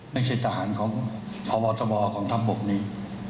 ไม่ใช่ทหารของพบของท่ำบกนี้